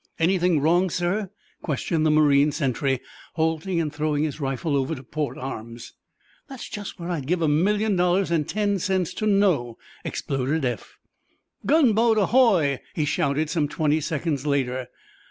"Anything wrong, sir?" questioned the marine sentry, halting and throwing his rifle over to port arms. "That's just what I'd give a million dollars and ten cents to know!" exploded Eph. "Gunboat, ahoy!" he shouted, some twenty seconds later.